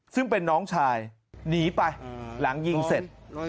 ซึ่งเป็นน้องชายหนีไปหลังยิงเสร็จ